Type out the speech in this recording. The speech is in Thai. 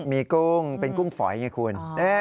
มีกุ้งเป็นกุ้งฝอยไงคุณ